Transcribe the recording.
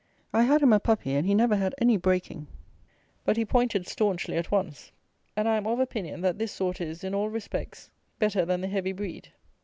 I had him a puppy, and he never had any breaking, but he pointed staunchly at once; and I am of opinion, that this sort is, in all respects, better than the heavy breed.